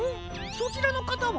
そちらのかたは？